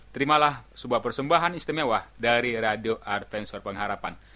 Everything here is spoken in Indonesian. terimalah sebuah persembahan istimewa dari radio advent suara pengharapan